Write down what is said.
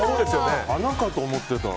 花かと思ってた。